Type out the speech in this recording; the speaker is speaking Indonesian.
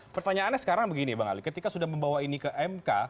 pertanyaannya sekarang begini bang ali ketika sudah membawa ini ke mk